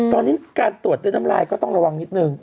ตอนนี้การตรวจด้วยน้ำลายก็ต้องระวังนิดนึง